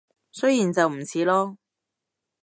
雖然就唔似囉